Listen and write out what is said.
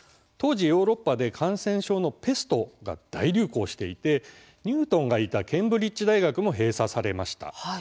当時、ヨーロッパで感染症のペストが大流行していてニュートンがいたケンブリッジ大学も閉鎖されました。